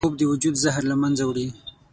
خوب د وجود زهر له منځه وړي